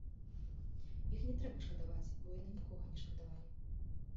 Іх не трэба шкадаваць, бо яны нікога не шкадавалі.